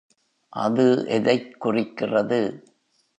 அது எதைக் குறிக்கிறது?